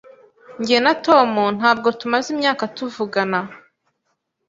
Jye na Tom ntabwo tumaze imyaka tuvugana.